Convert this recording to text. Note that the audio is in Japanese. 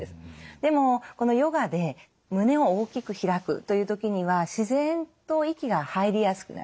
でもこのヨガで胸を大きく開くという時には自然と息が入りやすくなる。